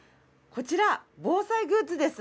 こちら防災グッズです。